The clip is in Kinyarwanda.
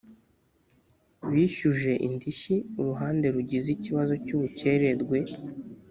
bishyuje indishyi uruhande rugize ikibazo cy’ubukererwe